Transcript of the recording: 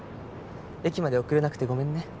駅まで送れなくてごめんね。